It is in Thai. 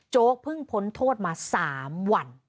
เพิ่งพ้นโทษมา๓วัน